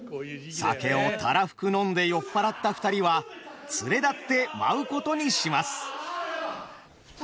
酒をたらふく飲んで酔っ払った二人は連れ立って舞うことにします。